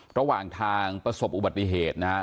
ระหว่างทางประสบอุบัติเหตุนะฮะ